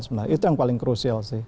sebenarnya itu yang paling krusial sih